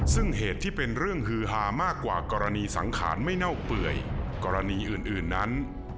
ซึ่งเหตุที่เป็นเรื่องฮือฮามากกว่ากรณีสังขารไม่เน่าเปื่อยกรณีอื่นนั้น